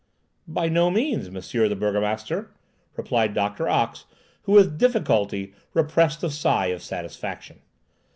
"By no means, Monsieur the burgomaster," replied Doctor Ox, who with difficulty repressed a sigh of satisfaction.